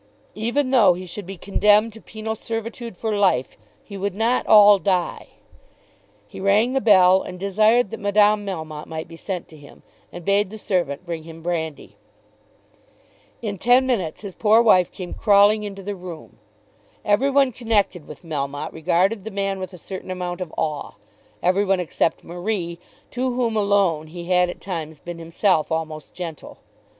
Even though he should be condemned to penal servitude for life, he would not all die. He rang the bell and desired that Madame Melmotte might be sent to him, and bade the servant bring him brandy. In ten minutes his poor wife came crawling into the room. Every one connected with Melmotte regarded the man with a certain amount of awe, every one except Marie, to whom alone he had at times been himself almost gentle.